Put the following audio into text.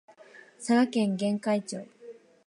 佐賀県玄海町